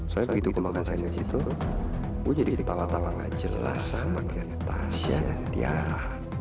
soalnya begitu gua makan sainich itu gua jadi ketawa ketawa gak jelas sama kek tasya dan tiara